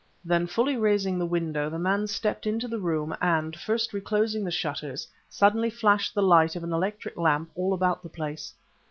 Then, fully raising the window, the man stepped into the room, and, first reclosing the shutters, suddenly flashed the light of an electric lamp all about the place.